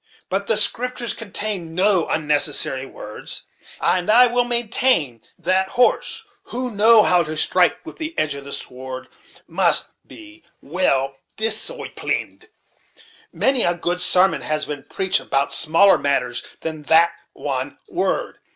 But the Scriptures contain no unnecessary words; and I will maintain that horse, who know how to strike with the edge of the sword, must be well disoiplyned. Many a good sarmon has been preached about smaller matters than that one word!